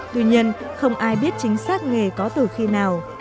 tuy nhiên không ai biết chính xác nghề có từ khi nào